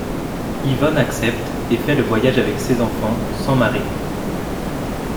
Yvonne accepte, et fait le voyage avec ses enfants, sans mari.